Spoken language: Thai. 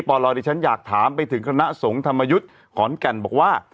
ปลดิฉันอยากถามไปถึงคณะสงฆ์ธรรมยุทธ์ขอนแก่นบอกว่า